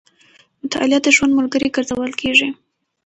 مطالعه د ژوند ملګری ګرځول کېږي.